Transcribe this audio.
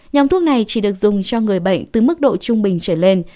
nhóm thuốc này chỉ được dùng cho người bệnh từ mức độ trung bình trở lên